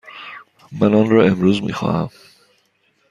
من آن را امروز می خواهم.